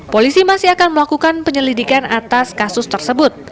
polisi masih akan melakukan penyelidikan atas kasus tersebut